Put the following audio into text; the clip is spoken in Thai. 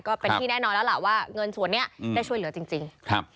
ก็เป็นที่แน่นอนแล้วล่ะว่าเงินส่วนนี้ได้ช่วยเหลือจริงครับ